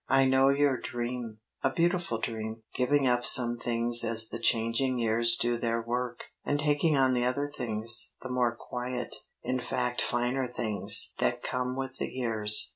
I know your dream a beautiful dream. Giving up some things as the changing years do their work, and taking on the other things, the more quiet, in fact finer things, that come with the years.